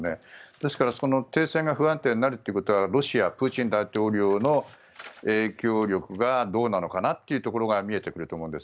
ですから、停戦が不安定になるということはロシアプーチン大統領の影響力がどうなのかなっていうところが見えてくると思うんです。